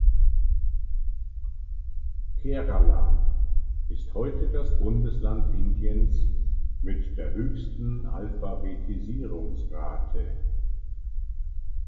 Kerala ist heute das Bundesland Indiens mit der höchsten Alphabetisierungsrate.